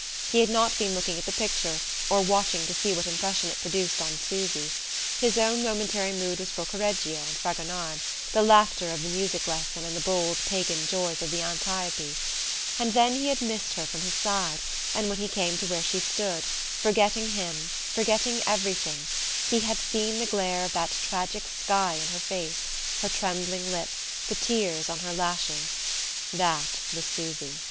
He had not been looking at the picture, or watching to see what impression it produced on Susy. His own momentary mood was for Correggio and Fragonard, the laughter of the Music Lesson and the bold pagan joys of the Antiope; and then he had missed her from his side, and when he came to where she stood, forgetting him, forgetting everything, had seen the glare of that tragic sky in her face, her trembling lip, the tears on her lashes. That was Susy....